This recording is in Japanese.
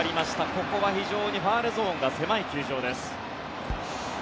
ここは非常にファウルゾーンが狭い球場です。